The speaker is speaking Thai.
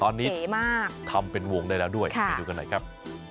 ตอนนี้ทำเป็นวงได้แล้วด้วยไปดูกันหน่อยครับ